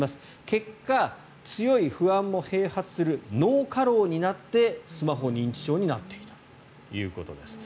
結果、強い不安も併発する脳過労になってスマホ認知症になっていたということです。